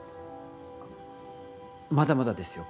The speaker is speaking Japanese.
あっまだまだですよ